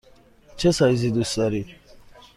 چه سایزی دوست دارید؟